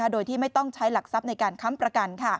โดยที่ไม่ต้องใช้หลักทรัพย์ในการค้ำประกัน